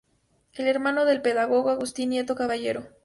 Es hermano del pedagogo Agustín Nieto Caballero.